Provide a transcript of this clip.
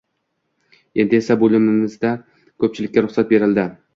Endi esa bo`limimizdan ko`pchilikka ruxsat berildi